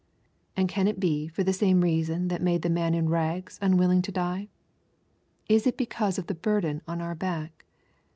And can it be for the same reason that made the man in rags unwilling to die? Is it because of the burden on our back?